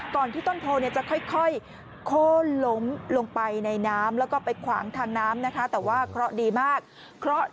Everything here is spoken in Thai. ก่อนที่ต้นโพลจะค่อยโคลมลงไปในน้ำแล้วก็ไปขวางทางน้ำนะคะ